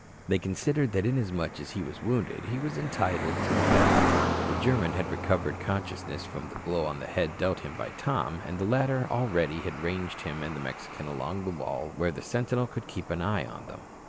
They considered that inasmuch as he was wounded, he was entitled to the bed. The German had recovered consciousness from the blow on the head dealt him by Tom, and the latter already had ranged him and the Mexican along the wall where the sentinel could keep an eye on them.